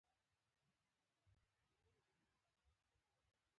د تګاب انار مشهور دي